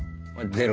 ゼロ。